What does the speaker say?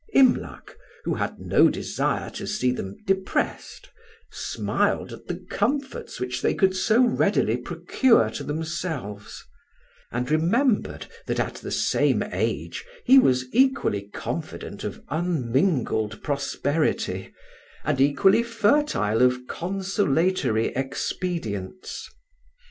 Imlac, who had no desire to see them depressed, smiled at the comforts which they could so readily procure to themselves; and remembered that at the same age he was equally confident of unmingled prosperity, and equally fertile of consolatory expedients.